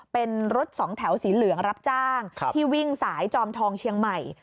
เป็นรถสองแถวสีเหลืองรับจ้างที่วิ่งสายจอมทองเชียงใหม่